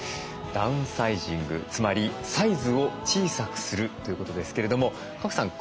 ダウンサイジングつまりサイズを小さくするということですけれども賀来さん